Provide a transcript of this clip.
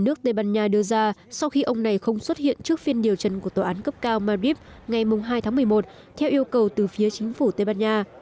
nước tây ban nha đưa ra sau khi ông này không xuất hiện trước phiên điều trần của tòa án cấp cao mabbib ngày hai tháng một mươi một theo yêu cầu từ phía chính phủ tây ban nha